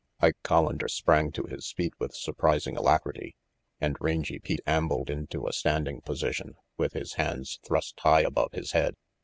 Ike Collander sprang to his feet with surprising alacrity, and Rangy Pete ambled into a standing position, with his hands thrust high above his head.